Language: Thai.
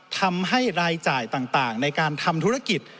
ทำให้รายจ่ายต่างในการทำธุรกิจ